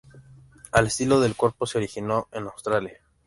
El estilo del cuerpo se originó en Australia.